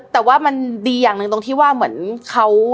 แต่ว่ามันดีอย่างหนึ่งตรงที่ว่าเหมือนเขา